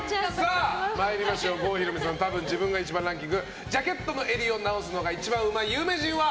参りましょう、郷ひろみさんのたぶん自分が１番ランキングジャケットの襟を直すのが一番うまい有名人は？